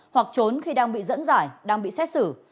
hoặc trốn khi đang bị dẫn giải đang bị xét xử